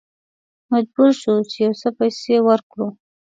مجبور شوو چې یو څه پیسې ورکړو.